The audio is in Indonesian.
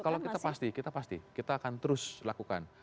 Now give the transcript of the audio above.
kalau kita pasti kita pasti kita akan terus lakukan